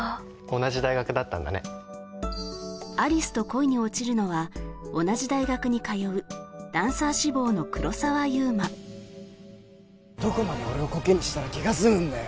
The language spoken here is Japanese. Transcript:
同じ大学だったんだね有栖と恋に落ちるのは同じ大学に通うどこまで俺をコケにしたら気が済むんだよ